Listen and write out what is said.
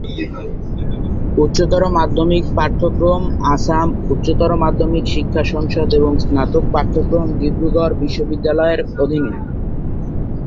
উচ্চতর মাধ্যমিক পাঠক্রম আসাম উচ্চতর মাধ্যমিক শিক্ষা সংসদ এবং স্নাতক পাঠক্রম ডিব্রুগড় বিশ্ববিদ্যালয়-এর অধীনে।